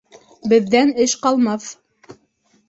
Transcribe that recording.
— Беҙҙән эш ҡалмаҫ.